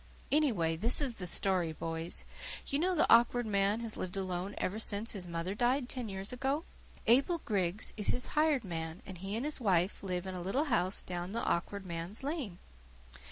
"Anyway, this is the story, boys. You know the Awkward Man has lived alone ever since his mother died, ten years ago. Abel Griggs is his hired man, and he and his wife live in a little house down the Awkward Man's lane.